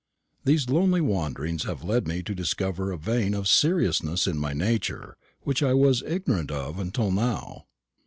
These lonely wanderings have led me to discover a vein of seriousness in my nature which I was ignorant of until now.